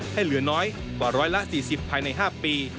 ให้เหลือน้อยกว่า๑๔๐ภายใน๕ปี